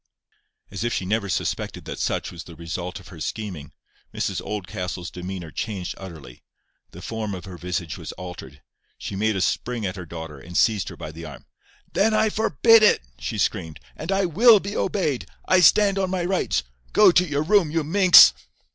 As if she had never suspected that such was the result of her scheming, Mrs Oldcastle's demeanour changed utterly. The form of her visage was altered. She made a spring at her daughter, and seized her by the arm. "Then I forbid it," she screamed; "and I WILL be obeyed. I stand on my rights. Go to your room, you minx."